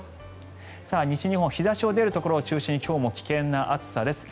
西日本日差しが出るところを中心に今日も危険な暑さです。